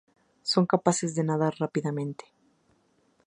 Son capaces de nadar rápidamente.